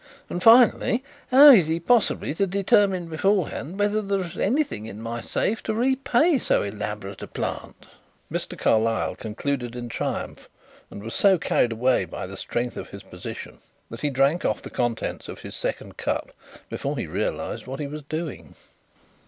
And, finally, how is he possibly to determine beforehand whether there is anything in my safe to repay so elaborate a plant?" Mr. Carlyle concluded in triumph and was so carried away by the strength of his position that he drank off the contents of his second cup before he realized what he was doing.